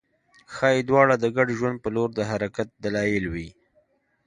ښايي دواړه د ګډ ژوند په لور د حرکت دلایل وي